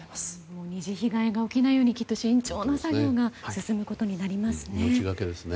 ２次被害が起きないように慎重な作業が進むことになりますね。